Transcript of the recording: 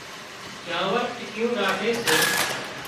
جاور ٽِڪيُون راکي سي